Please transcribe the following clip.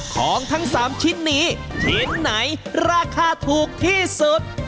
ของทั้ง๓ชิ้นนี้ชิ้นไหนราคาถูกที่สุด